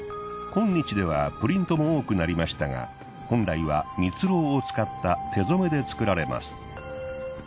今日ではプリントも多くなりましたが本来はミツロウを使った手染めで作られます。